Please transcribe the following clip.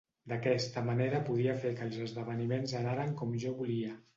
D’aquesta manera podia fer que els esdeveniments anaren com jo volia.